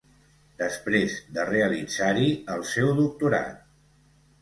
Després de realitzar-hi el seu doctorat.